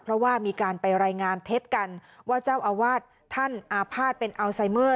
เพราะว่ามีการไปรายงานเท็จกันว่าเจ้าอาวาสท่านอาภาษณ์เป็นอัลไซเมอร์